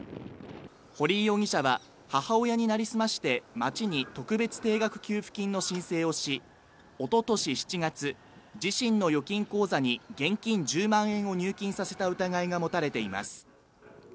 堀井容疑者は母親に成り済まして町に特別定額給付金の申請をしおととし７月自身の預金口座に現金１０万円を入金させた疑いが持たれています